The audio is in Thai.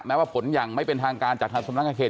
แม้ว่าผลอย่างไม่เป็นทางการจากทัศน์สมัครเขต